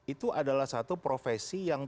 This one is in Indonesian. itu adalah satu profesi yang